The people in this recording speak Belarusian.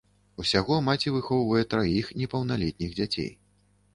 Усяго маці выхоўвае траіх непаўналетніх дзяцей.